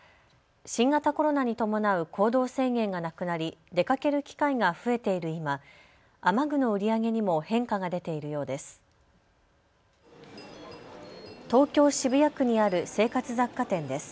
新型コロナに伴う行動制限がなくなり出かける機会が増えている今、雨具の売り上げにも変化が出ているようです。